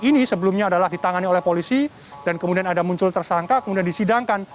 ini sebelumnya adalah ditangani oleh polisi dan kemudian ada muncul tersangka kemudian disidangkan